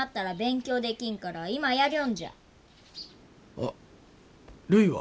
あっるいは？